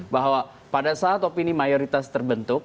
bahwa pada saat opini mayoritas terbentuk